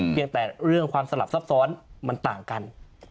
เพียงแต่เรื่องความสลับซับซ้อนมันต่างกัน